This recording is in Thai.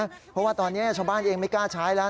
เพราะว่าตอนนี้ชาวบ้านเองไม่กล้าใช้แล้ว